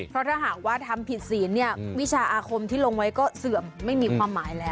เพราะถ้าหากว่าทำผิดศีลเนี่ยวิชาอาคมที่ลงไว้ก็เสื่อมไม่มีความหมายแล้ว